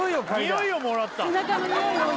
匂いをもらった？